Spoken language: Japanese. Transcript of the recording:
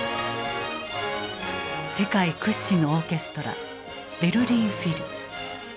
世界屈指のオーケストラベルリン・フィル。